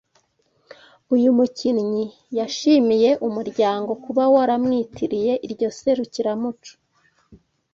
uyu mukinnyi yashimiye umuryango kuba waramwitiriye iryo serukiramuco